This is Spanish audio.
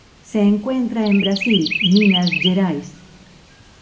Se encuentra en Brasil: Minas Gerais.